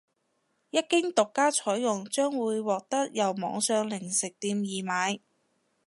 一經獨家採用將會獲得由網上零食店易買